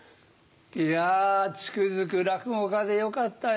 いやつくづく落語家でよかったよ。